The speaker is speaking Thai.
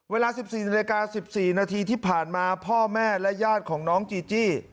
เวลา๑๔นาฬิกา๑๔นาทีที่ผ่านมาพ่อแม่และญาติของน้องจีจี้